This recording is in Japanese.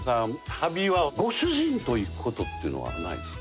旅はご主人と行く事っていうのはないんですか？